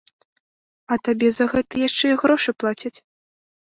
І табе за гэта яшчэ і грошы плацяць.